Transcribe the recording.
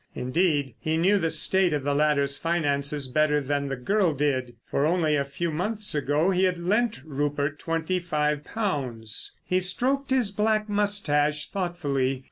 Indeed, he knew the state of the latter's finances better than the girl did. For only a few months ago, he had lent Rupert twenty five pounds. He stroked his black moustache thoughtfully.